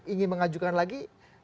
ingin mengajukan lagi